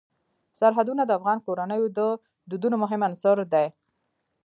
سرحدونه د افغان کورنیو د دودونو مهم عنصر دی.